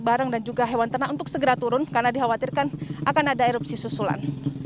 barang dan juga hewan ternak untuk segera turun karena dikhawatirkan akan ada erupsi susulan